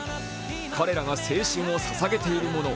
彼らが青春をささげているもの